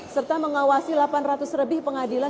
serta mengawasi delapan ratus lebih pengadilan